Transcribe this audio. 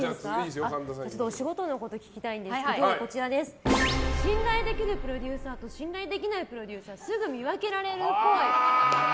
お仕事のこと聞きたいんですけど信頼できるプロデューサーと信頼できないプロデューサーをすぐ見分けられるっぽい。